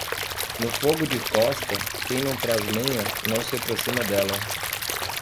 No fogo de Costa, quem não traz lenha, não se aproxima dela.